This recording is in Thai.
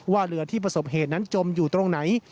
เรือที่ประสบเหตุนั้นจมอยู่ตรงไหน